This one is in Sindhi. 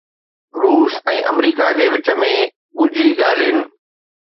روس ۽ آمريڪا جي وچ ۾ ڳجهي ڳالهين